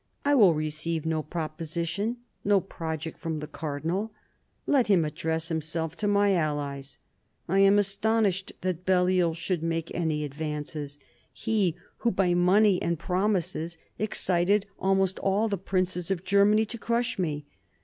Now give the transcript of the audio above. I will receive no proposition, no project from the cardinal. Let him address himself to my allies. I am astonished that Belleisle should make any advances, — he who, by money and promises, excited almost all the princes of Germany to crush me.